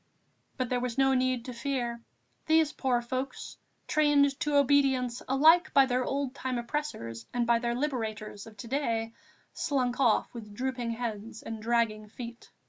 But there was no need to fear; these poor folks, trained to obedience alike by their old time oppressors and by their liberators of to day, slunk off with drooping heads and dragging feet.